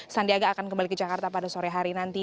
sandiaga akan kembali ke jakarta pada sore hari nanti